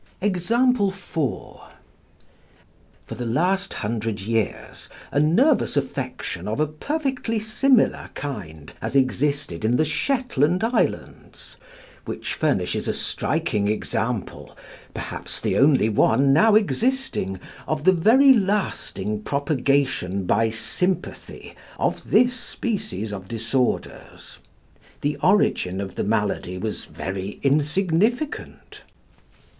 4. For the last hundred years a nervous affection of a perfectly similar kind has existed in the Shetland Islands, which furnishes a striking example, perhaps the only one now existing, of the very lasting propagation by sympathy of this species of disorders. The origin of the malady was very insignificant.